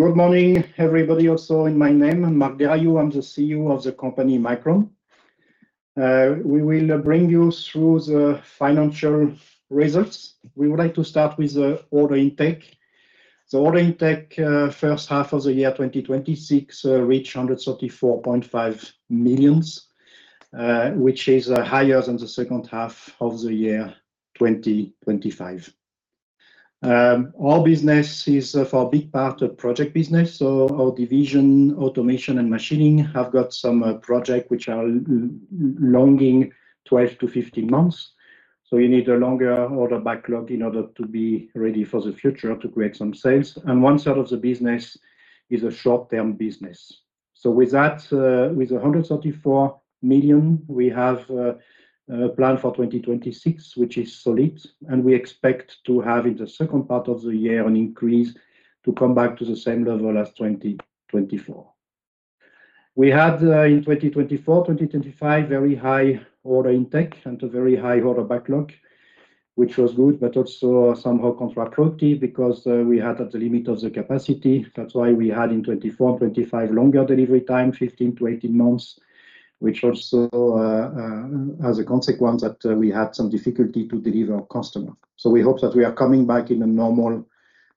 Good morning, everybody. Also in my name, I am Marc Desrayaud. I am the CEO of the company Mikron. We will bring you through the financial results. We would like to start with the order intake. The order intake H1 of the year 2026 reached 134.5 million, which is higher than the H2 of the year 2025. Our business is for a big part a project business, our division Automation and Machining have got some project which are longing 12-15 months. You need a longer order backlog in order to be ready for the future to create some sales. One side of the business is a short-term business. With that, with 134 million, we have a plan for 2026, which is solid and we expect to have in the second part of the year an increase to come back to the same level as 2024. We had in 2024, 2025, very high order intake and a very high order backlog, which was good, but also somehow counterproductive because we had at the limit of the capacity. That is why we had in 2024 and 2025 longer delivery time, 15-18 months, which also has a consequence that we had some difficulty to deliver our customer. We hope that we are coming back in a normal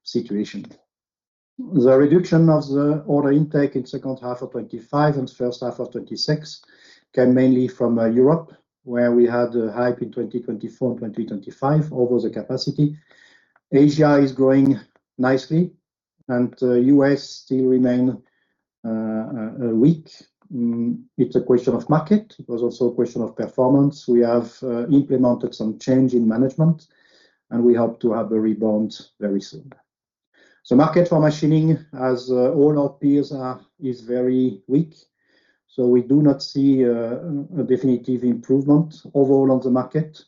situation. The reduction of the order intake in H2 of 2025 and H1 of 2026 came mainly from Europe, where we had a hype in 2024-2025 over the capacity. Asia is growing nicely and U.S. still remain weak. It is a question of market. It was also a question of performance. We have implemented some change in management, and we hope to have a rebound very soon. Market for Machining, as all our peers are, is very weak, we do not see a definitive improvement overall on the market.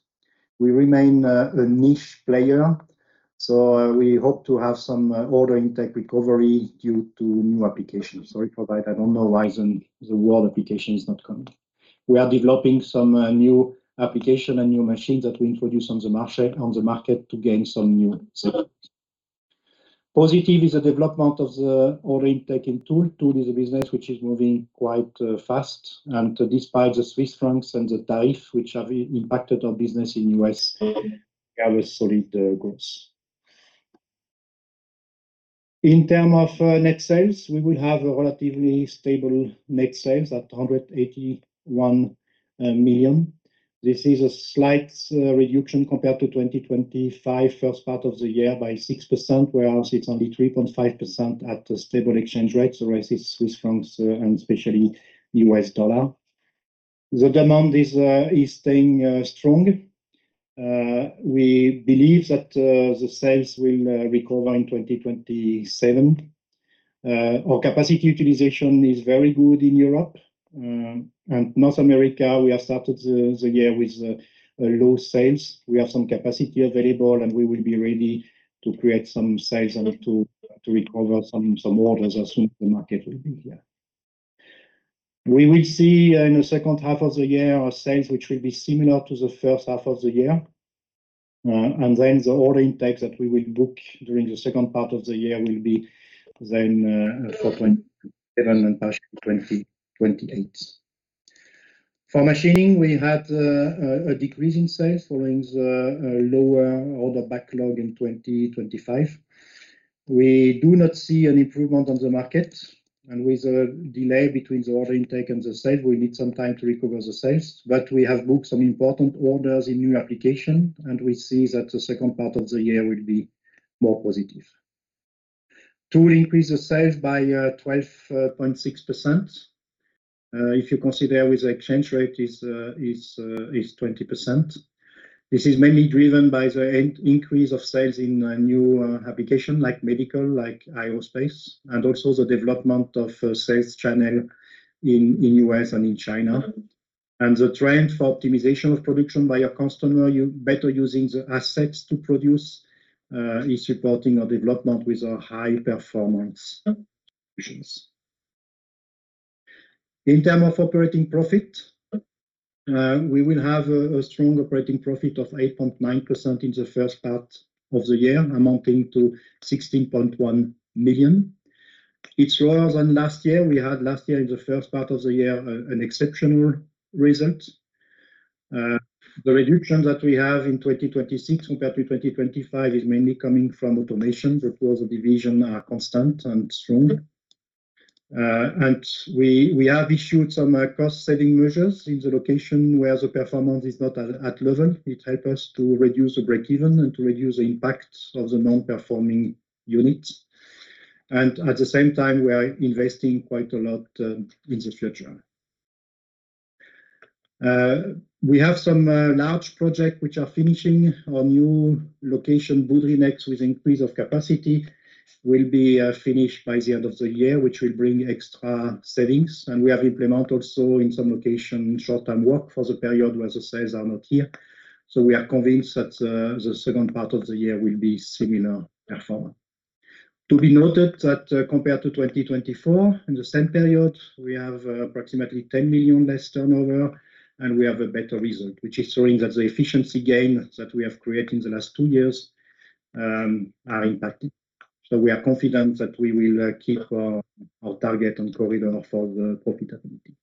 We remain a niche player, we hope to have some order intake recovery due to new applications. Sorry for that. I don't know why the word application is not coming. We are developing some new application and new machines that we introduce on the market to gain some new sales. Positive is the development of the order intake in Tool. Tool is a business which is moving quite fast and despite the Swiss francs and the tariff which have impacted our business in U.S., have a solid growth. In terms of net sales, we will have a relatively stable net sales at 181 million. This is a slight reduction compared to 2025, first part of the year by 6%, whereas it is only 3.5% at stable exchange rates arises Swiss francs and especially US dollar. The demand is staying strong. We believe that the sales will recover in 2027. Our capacity utilization is very good in Europe and North America. We have started the year with low sales. We have some capacity available, and we will be ready to create some sales and to recover some orders as soon the market will be here. We will see in the H2 of the year our sales, which will be similar to the H1 of the year. The order intake that we will book during the second part of the year will be then for 2028. For Machining, we had a decrease in sales following the lower order backlog in 2025. We do not see an improvement on the market and with the delay between the order intake and the sale, we need some time to recover the sales. We have booked some important orders in new application, and we see that the second part of the year will be more positive. Tool increase the sales by 12.6%. If you consider with the exchange rate is 20%. This is mainly driven by the increase of sales in a new application like medical, like aerospace, and also the development of sales channel in U.S. and in China. The trend for optimization of production by a customer better using the assets to produce is supporting our development with our high-performance solutions. In term of operating profit, we will have a strong operating profit of 8.9% in the first part of the year, amounting to 16.1 million. It's lower than last year. We had last year in the first part of the year an exceptional result. The reduction that we have in 2026 compared to 2025 is mainly coming from Automation. That was a division constant and strong. We have issued some cost-saving measures in the location where the performance is not at level. It help us to reduce the break-even and to reduce the impact of the non-performing units. At the same time, we are investing quite a lot in the future. We have some large project which are finishing. Our new location Boudry next with increase of capacity will be finished by the end of the year, which will bring extra savings. We have implemented also in some location short-time work for the period where the sales are not here. We are convinced that the second part of the year will be similar performance. To be noted that compared to 2024, in the same period, we have approximately 10 million less turnover and we have a better result, which is showing that the efficiency gain that we have created in the last two years are impacting. We are confident that we will keep our target and corridor for the profitability.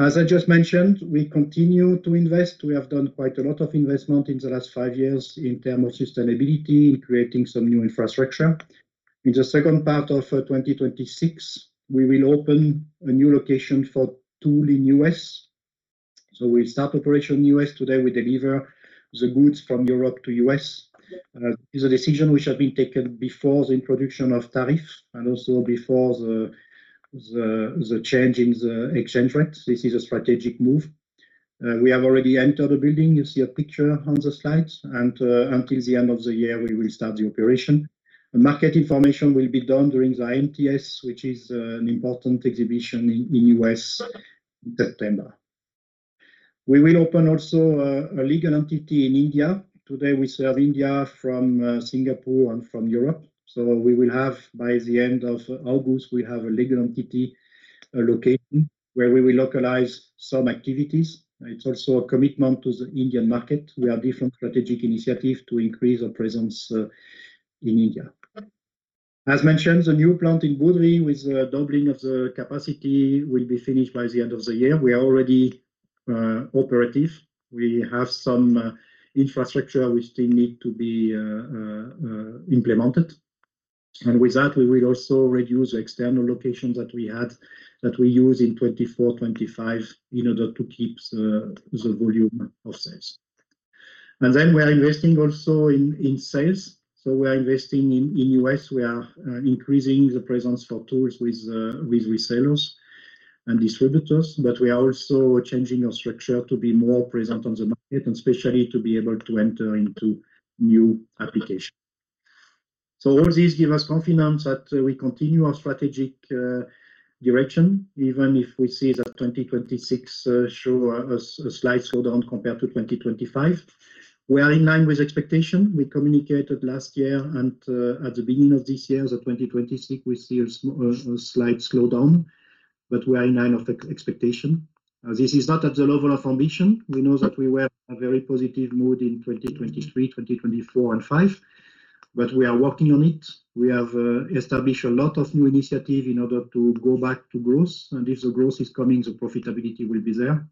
As I just mentioned, we continue to invest. We have done quite a lot of investment in the last five years in terms of sustainability, in creating some new infrastructure. In the second part of 2026, we will open a new location for Tool in U.S. We'll start operation U.S. Today, we deliver the goods from Europe to U.S. It's a decision which had been taken before the introduction of tariff and also before the change in the exchange rate. This is a strategic move. We have already entered the building. You see a picture on the slides, until the end of the year, we will start the operation. Market information will be done during the IMTS, which is an important exhibition in the U.S. in September. We will open also a legal entity in India. Today, we serve India from Singapore and from Europe. We will have, by the end of August, we have a legal entity location where we will localize some activities. It's also a commitment to the Indian market. We have different strategic initiatives to increase our presence in India. As mentioned, the new plant in Boudry with doubling of the capacity will be finished by the end of the year. We are already operative. We have some infrastructure which still need to be implemented. With that, we will also reduce the external locations that we had, that we use in 2024, 2025, in order to keep the volume of sales. Then we are investing also in sales. We are investing in U.S. We are increasing the presence for Tool with resellers and distributors, but we are also changing our structure to be more present on the market and especially to be able to enter into new applications. All these give us confidence that we continue our strategic direction, even if we see that 2026 show a slight slowdown compared to 2025. We are in line with expectation. We communicated last year and at the beginning of this year that 2026 we see a slight slowdown, but we are in line of expectation. This is not at the level of ambition. We know that we were a very positive mood in 2023, 2024 and 2025, but we are working on it. We have established a lot of new initiatives in order to go back to growth. If the growth is coming, the profitability will be there.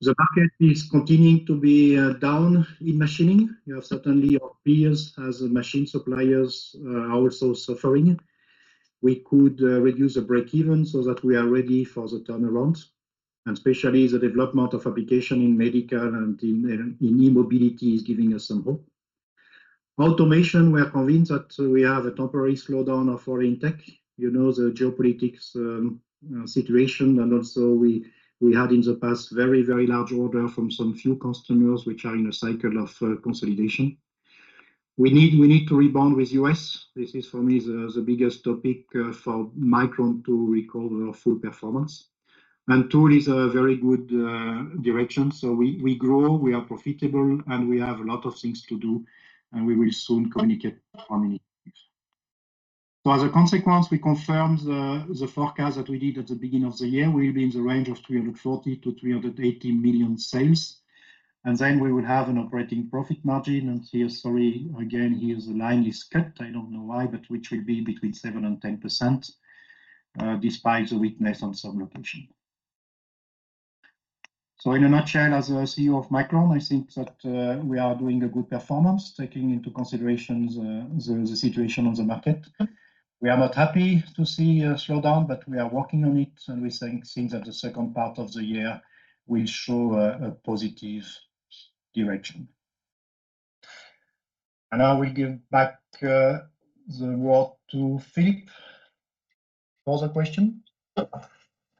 The market is continuing to be down in Machining. You have certainly your peers as machine suppliers are also suffering. We could reduce the break even so that we are ready for the turnaround, and especially the development of application in medical and in e-mobility is giving us some hope. Automation, we are convinced that we have a temporary slowdown of pharma tech. You know the geopolitics situation and also we had in the past very large order from some few customers which are in a cycle of consolidation. We need to rebound with U.S. This is for me the biggest topic for Mikron to recover our full performance. Tool is a very good direction. We grow, we are profitable, and we have a lot of things to do, and we will soon communicate on it. As a consequence, we confirm the forecast that we did at the beginning of the year will be in the range of 340 million-380 million sales. Then we will have an operating profit margin, which will be between 7% and 10%, despite the weakness on some location. In a nutshell, as a CEO of Mikron, I think that we are doing a good performance, taking into consideration the situation on the market. We are not happy to see a slowdown, but we are working on it, and we think that the second part of the year will show a positive direction. Now we give back the word to Philippe for the question.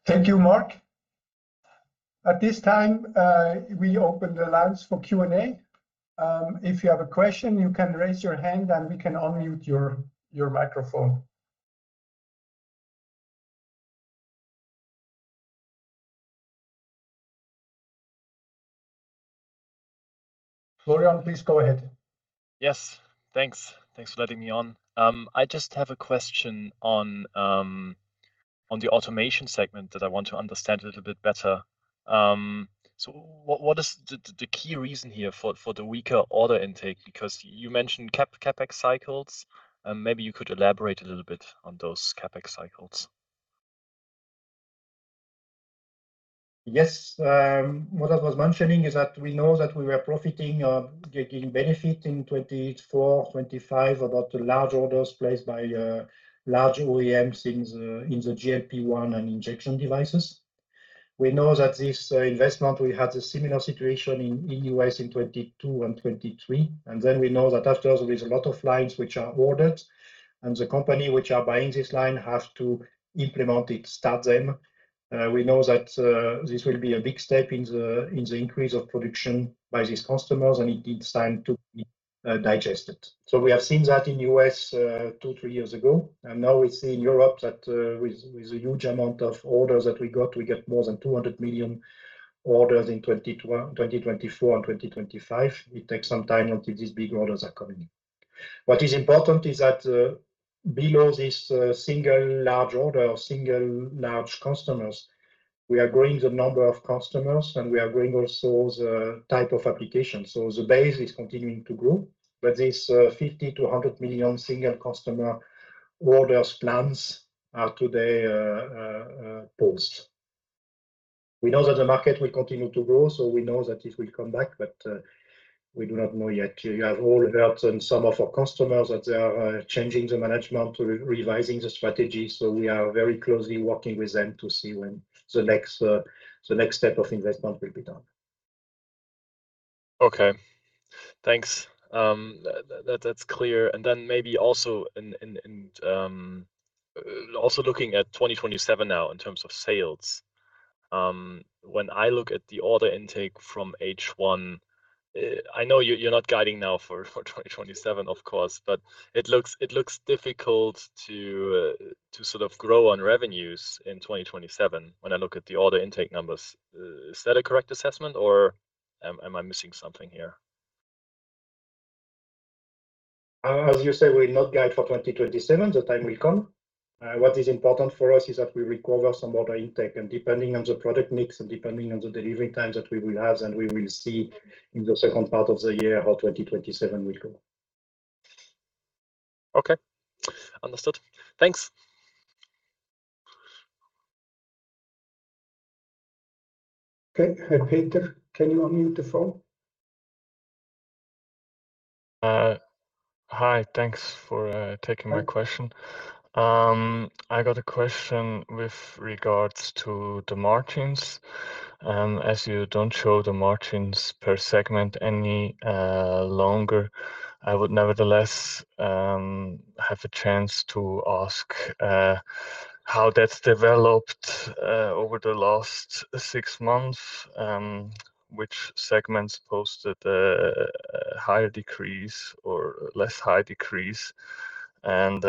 Thank you, Marc. At this time, we open the lines for Q&A. If you have a question, you can raise your hand, and we can unmute your microphone. Florian, please go ahead. Yes. Thanks. Thanks for letting me on. I just have a question on the Automation segment that I want to understand a little bit better. What is the key reason here for the weaker order intake? Because you mentioned CapEx cycles, maybe you could elaborate a little bit on those CapEx cycles. Yes. What I was mentioning is that we know that we were profiting or getting benefit in 2024, 2025, about the large orders placed by large OEMs in the GLP-1 and injection devices. We know that this investment, we had a similar situation in U.S. in 2022 and 2023. We know that afterwards, there is a lot of lines which are ordered, the company which are buying this line have to implement it, start them. We know that this will be a big step in the increase of production by these customers, and it needs time to be digested. We have seen that in U.S. two, three years ago, and now we see in Europe that with the huge amount of orders that we got, we get more than 200 million orders in 2024 and 2025. It takes some time until these big orders are coming in. What is important is that below this single large order or single large customers We are growing the number of customers. We are growing also the type of applications. The base is continuing to grow. This 50 million-100 million single customer orders plans are today paused. We know that the market will continue to grow. We know that it will come back, but we do not know yet. You have all heard some of our customers that they are changing the management, revising the strategy. We are very closely working with them to see when the next step of investment will be done. Okay. Thanks. That's clear. Maybe also looking at 2027 now in terms of sales. When I look at the order intake from H1, I know you're not guiding now for 2027, of course, but it looks difficult to grow on revenues in 2027 when I look at the order intake numbers. Is that a correct assessment, or am I missing something here? As you say, we'll not guide for 2027. The time will come. What is important for us is that we recover some order intake, and depending on the product mix and depending on the delivery time that we will have, then we will see in the second part of the year how 2027 will go. Okay. Understood. Thanks. Hi, Peter, can you unmute the phone? Hi. Thanks for taking my question. I got a question with regards to the margins. As you don't show the margins per segment any longer, I would nevertheless have a chance to ask how that's developed over the last six months, which segments posted a higher decrease or less high decrease, and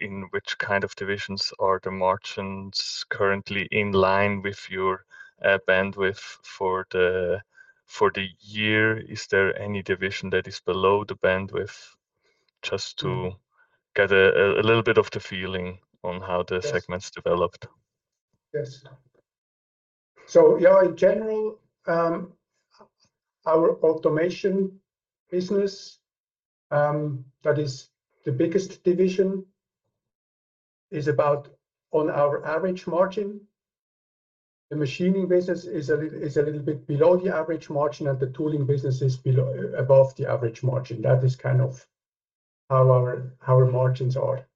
in which kind of divisions are the margins currently in line with your bandwidth for the year? Is there any division that is below the bandwidth? Just to get a little bit of the feeling on how the segments developed. Yes. In general, our Automation business, that is the biggest division, is about on our average margin. The Machining business is a little bit below the average margin, and the Tooling business is above the average margin. That is kind of how our margins are.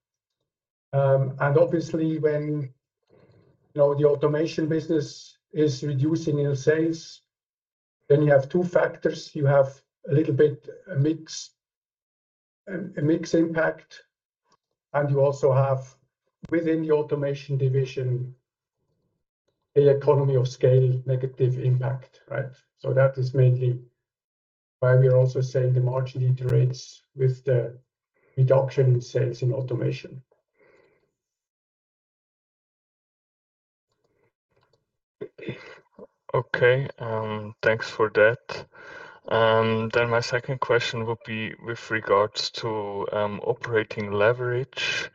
Obviously, when the Automation business is reducing in sales, you have two factors. You have a little bit mix impact, and you also have, within the Automation division, the economy of scale negative impact, right? That is mainly why we are also saying the margin iterates with the reduction in sales in Automation. Thanks for that. My second question would be with regards to operating leverage,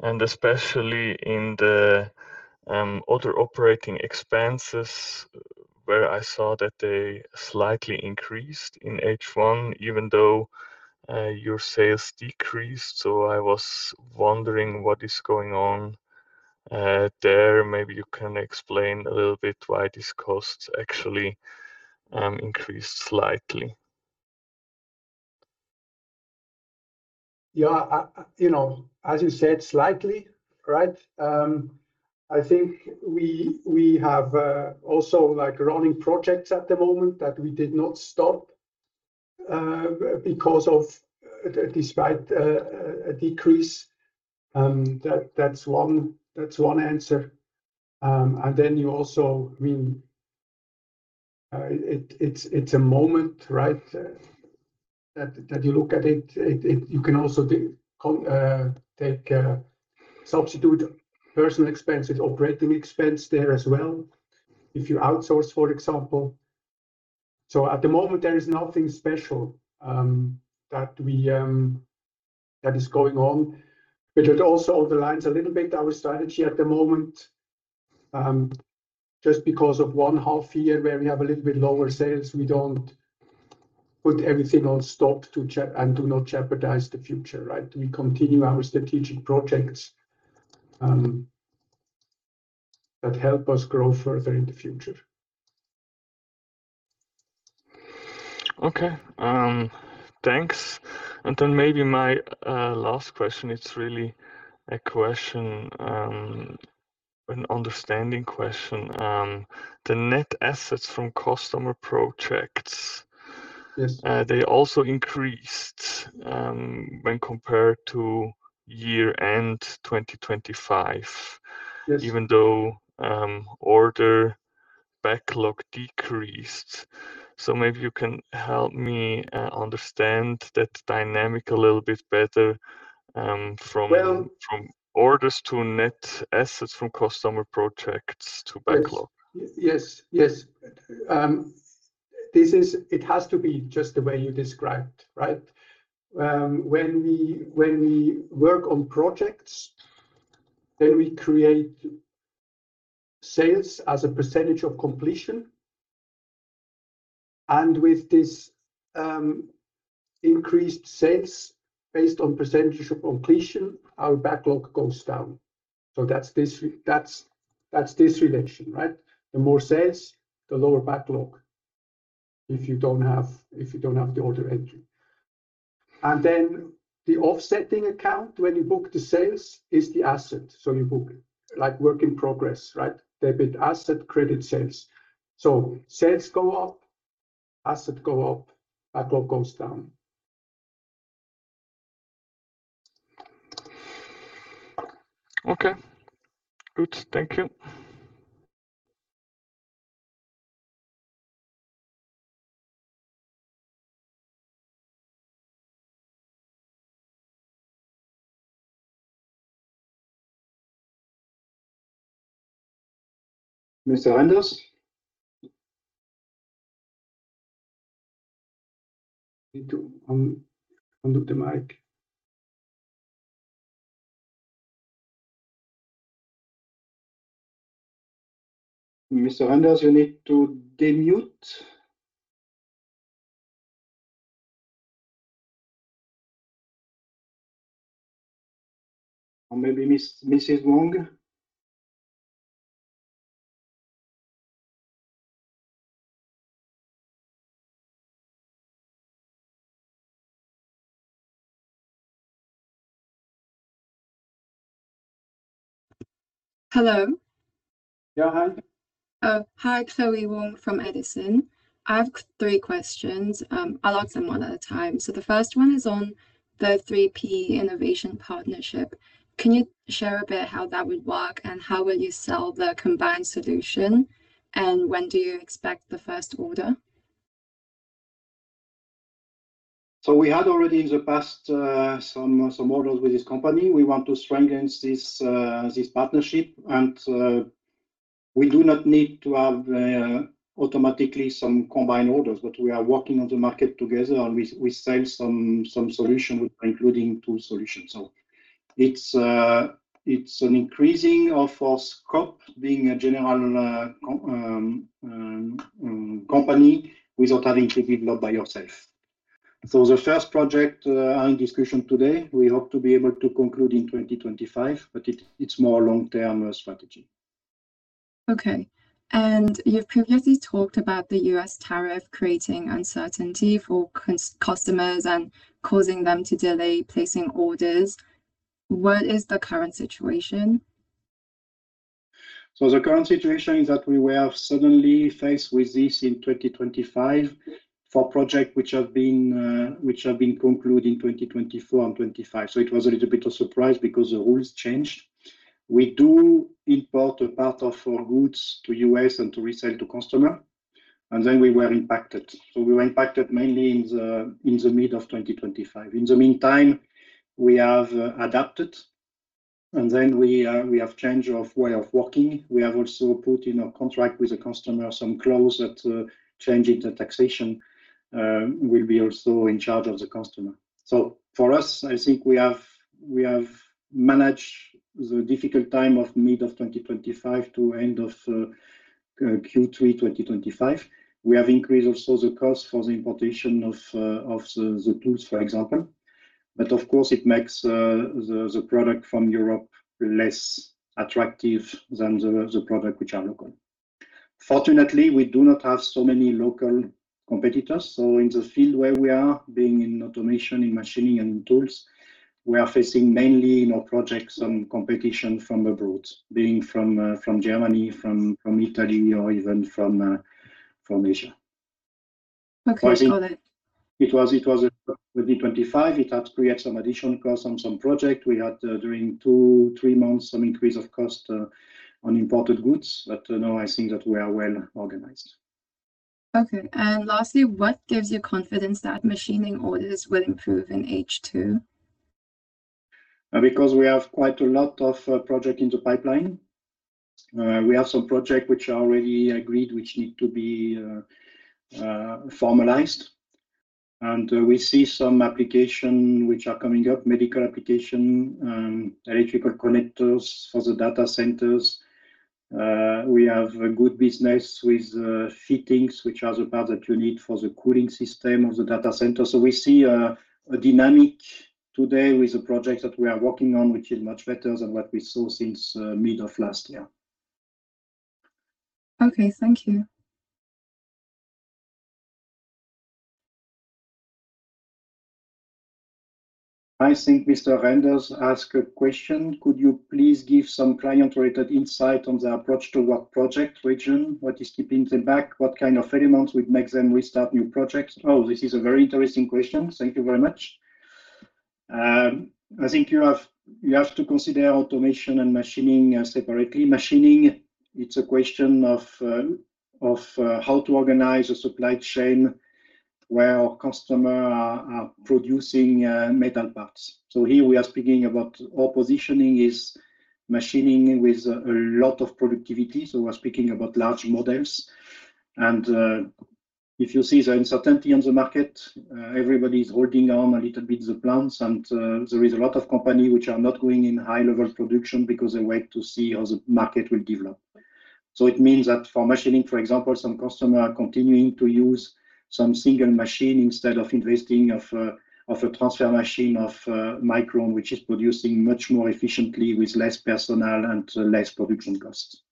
and especially in the other operating expenses, where I saw that they slightly increased in H1, even though your sales decreased. I was wondering what is going on there. Maybe you can explain a little bit why these costs actually increased slightly. Yeah. As you said, slightly, right? I think we have also running projects at the moment that we did not stop despite a decrease. That's one answer. It's a moment, right? That you look at it. You can also take substitute personal expense with operating expense there as well, if you outsource, for example. At the moment, there is nothing special that is going on. It also underlines a little bit our strategy at the moment. Just because of one half year where we have a little bit lower sales, we don't put everything on stop and do not jeopardize the future, right? We continue our strategic projects that help us grow further in the future. Okay. Thanks. Maybe my last question, it's really an understanding question. The net assets from customer projects- Yes. They also increased when compared to year-end 2025. Yes. Even though order backlog decreased. Maybe you can help me understand that dynamic a little bit better from- Well- From orders to net assets from customer projects to backlog. Yes. It has to be just the way you described. When we work on projects, then we create sales as a percentage of completion. With this increased sales based on percentage of completion, our backlog goes down. That's this relation, right? The more sales, the lower backlog if you don't have the order entry. Then the offsetting account when you book the sales is the asset. You book work in progress. Debit asset, credit sales. Sales go up, asset go up, backlog goes down. Okay. Good. Thank you. Mr. Randers. Need to unmute the mic. Mr. Randers, you need to de-mute. Maybe Mrs. Wong. Hello? Yeah. Hi. Hi. Chloe Wong from Edison. I have three questions. I'll ask them one at a time. The first one is on the 3P innovation partnership. Can you share a bit how that would work, and how will you sell the combined solution, and when do you expect the first order? We had already in the past some models with this company. We want to strengthen this partnership. We do not need to have automatically some combined orders, but we are working on the market together, and we sell some solution including tool solutions. It's an increasing of our scope, being a general company without having to build by yourself. The first project on discussion today, we hope to be able to conclude in 2025, but it's more long-term strategy. Okay. You've previously talked about the U.S. tariff creating uncertainty for customers and causing them to delay placing orders. What is the current situation? The current situation is that we were suddenly faced with this in 2025 for project which have been concluded in 2024 and 2025. It was a little bit of surprise because the rules changed. We do import a part of our goods to U.S. and to resell to customer. We were impacted. We were impacted mainly in the mid of 2025. In the meantime, we have adapted, we have change of way of working. We have also put in our contract with the customer some clause that change in the taxation will be also in charge of the customer. For us, I think we have managed the difficult time of mid of 2025 to end of Q3 2025. We have increased also the cost for the importation of the tools, for example. Of course, it makes the product from Europe less attractive than the product which are local. Fortunately, we do not have so many local competitors. In the field where we are, being in Automation, in Machining and Tools, we are facing mainly more projects and competition from abroad, being from Germany, from Italy, or even from Asia. Okay. Got it. It was with the 2025, it had create some additional cost on some project. We had, during two, three months, some increase of cost on imported goods. Now I think that we are well-organized. Lastly, what gives you confidence that Machining orders will improve in H2? We have quite a lot of project in the pipeline. We have some project which are already agreed, which need to be formalized. We see some application which are coming up, medical application, electrical connectors for the data centers. We have a good business with fittings, which are the part that you need for the cooling system of the data center. We see a dynamic today with the project that we are working on, which is much better than what we saw since mid of last year. Okay. Thank you. I think Mr. Randers asked a question: Could you please give some client-related insight on the approach to what project region? What is keeping them back? What kind of elements would make them restart new projects? Oh, this is a very interesting question. Thank you very much. I think you have to consider Automation and Machining separately. Machining, it's a question of how to organize a supply chain Where our customer are producing metal parts. Here we are speaking about our positioning is Machining with a lot of productivity. We're speaking about large models, and if you see the uncertainty on the market, everybody's holding on a little bit the plans. There is a lot of company which are not going in high-level production because they wait to see how the market will develop. It means that for Machining, for example, some customer are continuing to use some single machine instead of investing of a transfer machine of Mikron, which is producing much more efficiently with less personnel and less production costs.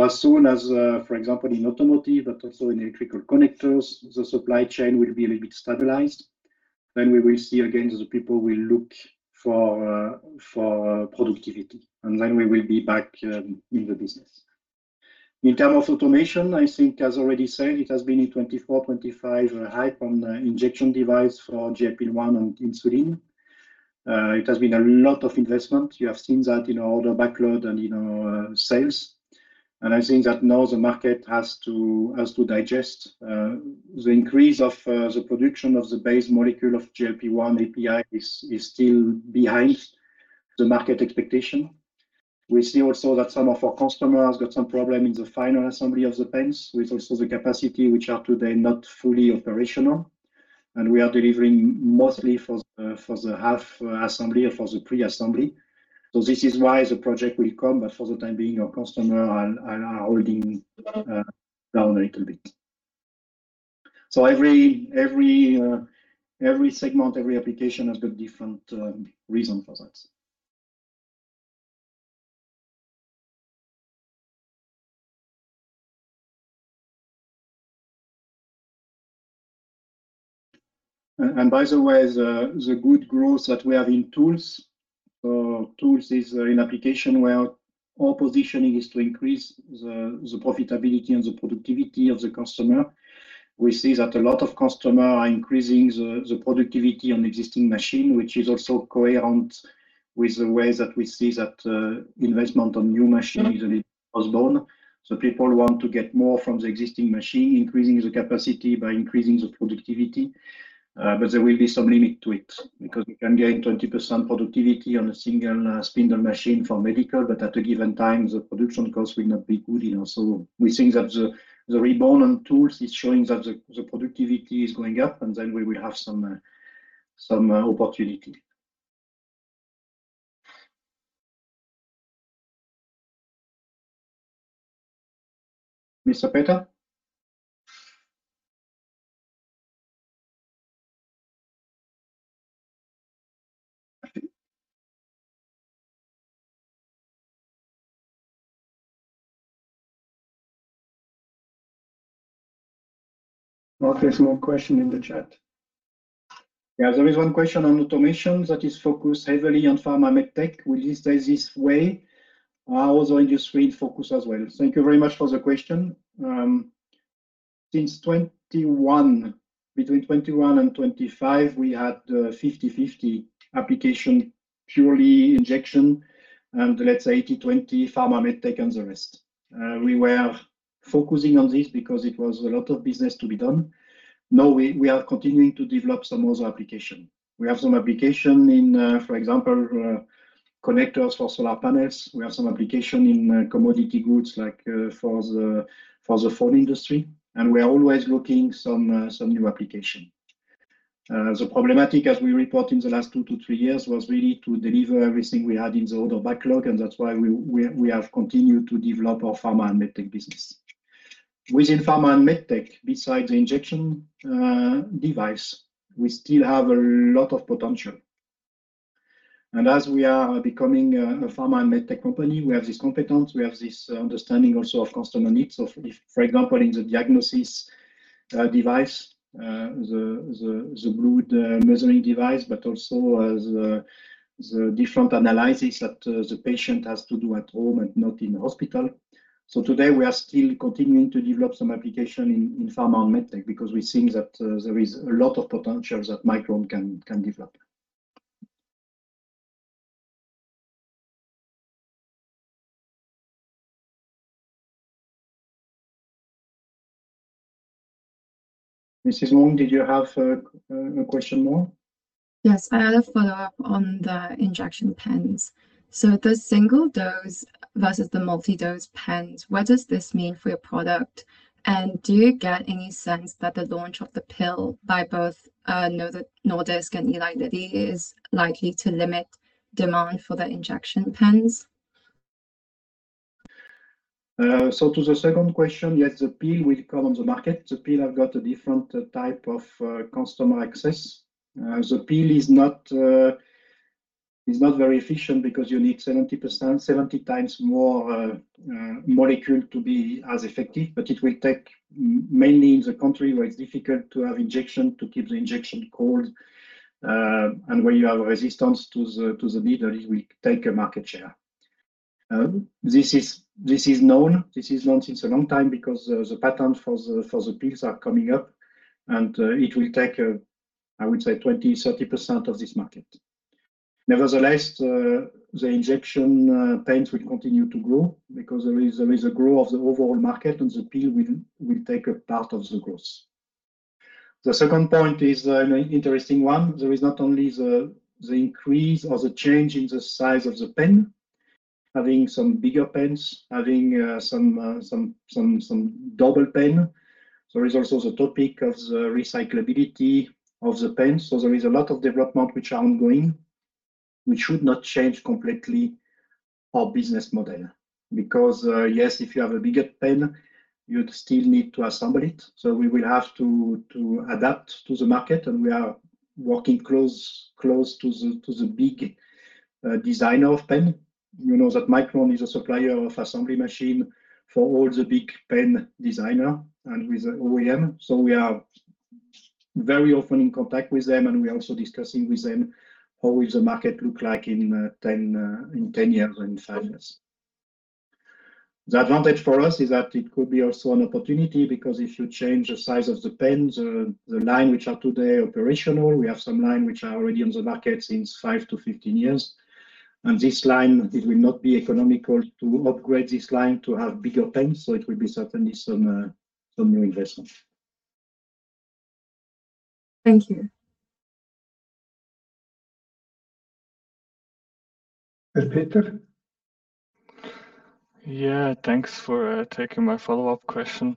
As soon as, for example, in automotive, but also in electrical connectors, the supply chain will be a little bit stabilized, then we will see again the people will look for productivity, and then we will be back in the business. In terms of Automation, I think as already said, it has been a 2024, 2025 hype on the injection device for GLP-1 and insulin. It has been a lot of investment. You have seen that in order backlog and in our sales. I think that now the market has to digest the increase of the production of the base molecule of GLP-1 API is still behind the market expectation. We see also that some of our customers got some problem in the final assembly of the pens, with also the capacity which are today not fully operational. We are delivering mostly for the half assembly or for the pre-assembly. This is why the project will come, but for the time being, our customer are holding down a little bit. Every segment, every application has got different reason for that. By the way, the good growth that we have in tools. Tool is an application where our positioning is to increase the profitability and the productivity of the customer. We see that a lot of customer are increasing the productivity on existing machine, which is also coherent with the way that we see that investment on new machine is a little postponed. People want to get more from the existing machine, increasing the capacity by increasing the productivity. There will be some limit to it, because we can gain 20% productivity on a single spindle machine for medical, but at a given time, the production cost will not be good enough. We think that the rebound on tools is showing that the productivity is going up, and then we will have some opportunity. Mr. Peter? Okay, small question in the chat. Yeah, there is one question on Automation that is focused heavily on Pharma/Medtech. Will you stay this way? How is the industry focus as well? Thank you very much for the question. Between 2021 and 2025, we had 50/50 application, purely injection, and let's say 80/20 Pharma/Medtech and the rest. We were focusing on this because it was a lot of business to be done. Now we are continuing to develop some other application. We have some application in, for example, connectors for solar panels. We have some application in commodity goods, like for the phone industry, and we are always looking some new application. The problematic as we report in the last two to three years was really to deliver everything we had in the order backlog, and that's why we have continued to develop our Pharma/Medtech business. Within Pharma/Medtech, besides the injection device, we still have a lot of potential. We are becoming a Pharma and Medtech company, we have this competence, we have this understanding also of customer needs of, for example, in the diagnosis device, the blood measuring device, but also the different analysis that the patient has to do at home and not in hospital. Today, we are still continuing to develop some application in Pharma and Medtech because we think that there is a lot of potential that Mikron can develop. Mrs. Wong, did you have a question more? Yes, I have a follow-up on the injection pens. The single-dose versus the multi-dose pens, what does this mean for your product? And do you get any sense that the launch of the pill by both Novo Nordisk and Eli Lilly is likely to limit demand for the injection pens? To the second question, yes, the pill will come on the market. The pill have got a different type of customer access. The pill is not very efficient because you need 70 times more molecule to be as effective, but it will take mainly in the country where it's difficult to have injection, to keep the injection cold, and where you have a resistance to the needle, it will take a market share. This is known. This is known since a long time because the patent for the pills are coming up, and it will take, I would say 20%-30% of this market. Nevertheless, the injection pens will continue to grow because there is a growth of the overall market, and the pill will take a part of the growth. The second point is an interesting one. There is not only the increase or the change in the size of the pen, having some bigger pens, having some double pen. There is also the topic of the recyclability of the pen. There is a lot of development which are ongoing, which should not change completely our business model. Because, yes, if you have a bigger pen, you'd still need to assemble it. We will have to adapt to the market, and we are working close to the big designer of pen. You know that Mikron is a supplier of assembly machine for all the big pen designer and with OEM. We are very often in contact with them, and we're also discussing with them how will the market look like in 10 years and five years. The advantage for us is that it could be also an opportunity because if you change the size of the pen, the line which are today operational, we have some line which are already on the market since 7 -15 years. This line, it will not be economical to upgrade this line to have bigger pens. It will be certainly some new investment. Thank you. Peter? Thanks for taking my follow-up question.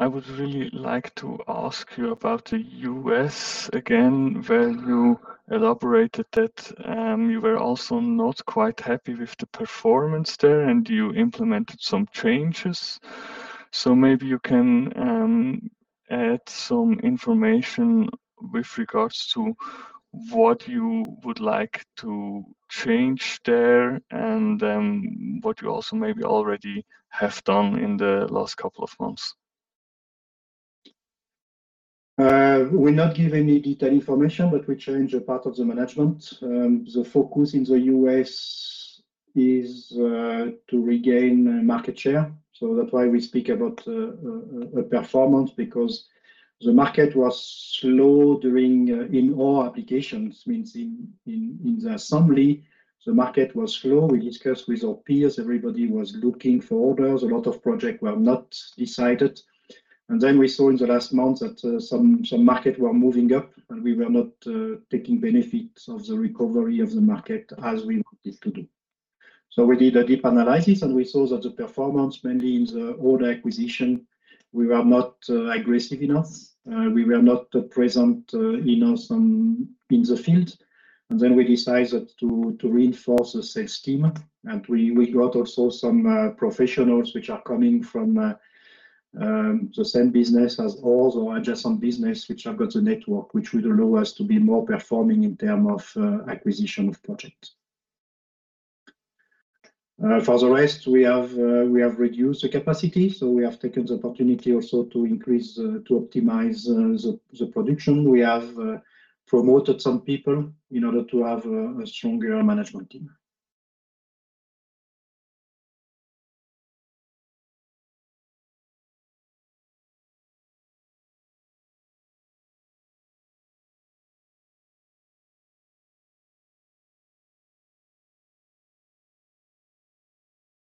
I would really like to ask you about the U.S. again, where you elaborated that you were also not quite happy with the performance there, and you implemented some changes. Maybe you can add some information with regards to what you would like to change there, what you also maybe already have done in the last couple of months. We not give any detailed information, but we change a part of the management. The focus in the U.S. is to regain market share. That's why we speak about a performance because the market was slow during in all applications. Means in the assembly, the market was slow. We discussed with our peers. Everybody was looking for orders. A lot of project were not decided. We saw in the last month that some market were moving up, and we were not taking benefits of the recovery of the market as we wanted to do. We did a deep analysis, and we saw that the performance, mainly in the order acquisition, we were not aggressive enough. We were not present enough in the field. We decided to reinforce the sales team. We got also some professionals which are coming from the same business as ours or adjacent business, which have got the network, which will allow us to be more performing in term of acquisition of project. For the rest, we have reduced the capacity, so we have taken the opportunity also to increase, to optimize the production. We have promoted some people in order to have a stronger management team.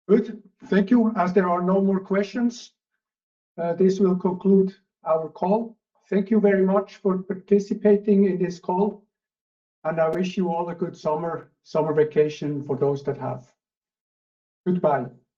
Good. Thank you. There are no more questions, this will conclude our call. Thank you very much for participating in this call, and I wish you all a good summer vacation for those that have. Goodbye